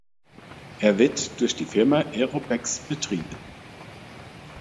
Er wird durch die Firma Aerobex betrieben.